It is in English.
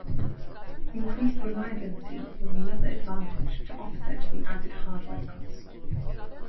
Increased reliability was another advantage to offset the added hardware cost.